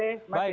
baik pak suparto